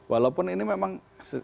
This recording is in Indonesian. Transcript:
walaupun ini memang